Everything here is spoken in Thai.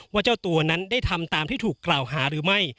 เจ้าตัวนั้นได้ทำตามที่ถูกกล่าวหาหรือไม่